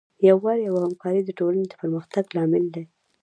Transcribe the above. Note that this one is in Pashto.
یووالی او همکاري د ټولنې د پرمختګ لامل دی.